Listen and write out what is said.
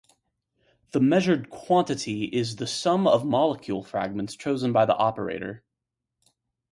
The measured quantity is the sum of molecule fragments chosen by the operator.